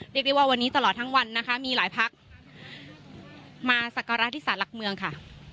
เรียกได้ว่าวันนี้ตลอดทั้งวันนะคะมีหลายพักมาสักการะที่สารหลักเมืองค่ะ